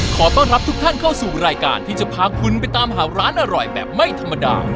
ขอต้อนรับทุกท่านเข้าสู่รายการที่จะพาคุณไปตามหาร้านอร่อยแบบไม่ธรรมดา